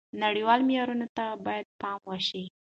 نړیوالو معیارونو ته باید پام وشي.